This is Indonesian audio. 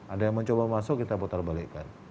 ada yang mencoba masuk kita putar balikan